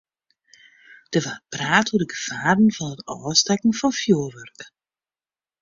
Der waard praat oer de gefaren fan it ôfstekken fan fjoerwurk.